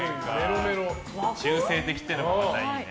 中性的っていうのがまたいいね。